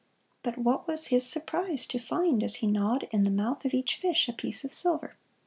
But what was his surprise to find, as he gnawed, in the mouth of each fish a piece of silver!